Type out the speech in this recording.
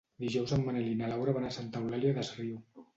Dijous en Manel i na Laura van a Santa Eulària des Riu.